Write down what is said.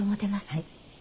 はい。